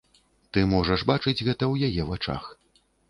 Ты можаш бачыць гэта ў яе вачах.